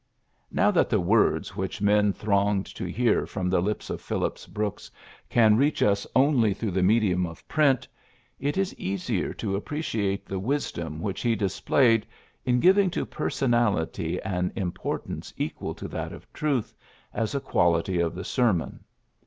Now that the words which men thronged to hear from the lips of Phillips Brooks can reach us only through the medium of print, it is easier to appreciate the wisdom which he dis played in giving to Personality an im portance equal to that of Truth as a quality of the sermon.